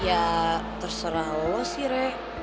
ya terserah lo sih rek